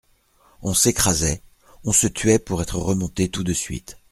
On s'écrasait, on se tuait pour être remonté tout de suite.